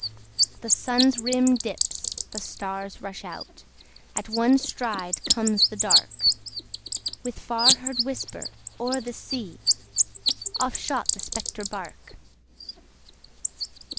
The Sun's rim dips; the stars rush out: At one stride comes the dark; With far heard whisper, o'er the sea. Off shot the spectre bark.